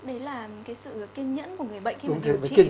đấy là cái sự kiên nhẫn của người bệnh